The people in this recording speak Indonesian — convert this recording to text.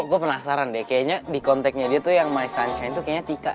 gue penasaran deh kayaknya di kontaknya dia tuh yang my sunshine tuh kayaknya tika